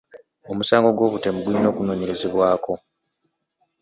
Omusango gw'obutemu gulina okunoonyerezebwako.